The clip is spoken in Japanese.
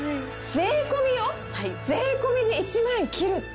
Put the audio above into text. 税込よ税込で１万円切るって。